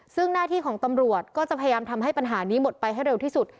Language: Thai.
ซึ่งหน้าที่ของตำรวจก็จะพยายามทำให้ปัญหานี้หมดไปให้เร็วที่สุด